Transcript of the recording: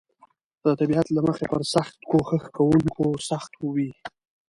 د طبیعت له مخې پر سخت کوښښ کونکو سخت وي.